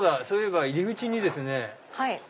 そういえば入り口にですね